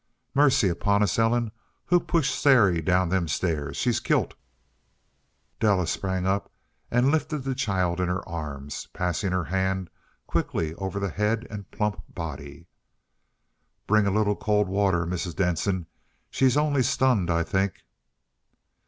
"Mercy upon us! Ellen, who pushed Sary down them stairs? She's kilt!" Della sprang up and lifted the child in her arms, passing her hand quickly over the head and plump body. "Bring a little cold water, Mrs. Denson. She's only stunned, I think."